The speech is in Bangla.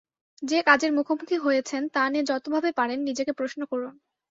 যে কাজের মুখোমুখি হয়েছেন, তা নিয়ে যতভাবে পারেন নিজেকে প্রশ্ন করুন।